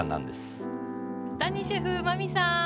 谷シェフ真海さん！